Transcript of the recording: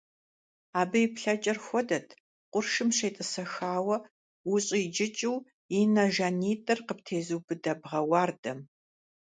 Абы и плъэкӀэр хуэдэт къуршым щетӀысэхауэ ущӀиджыкӀыу и нэ жанитӀыр къыптезубыда бгъэ уардэм.